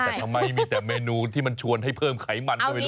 แต่ทำไมมีแต่เมนูที่มันชวนให้เพิ่มไขมัน